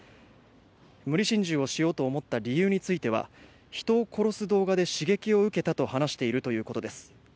無理心中をしようと思った理由については人を殺す動画で刺激を受けたと話しているということです。